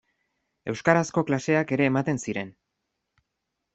Euskarazko klaseak ere ematen ziren.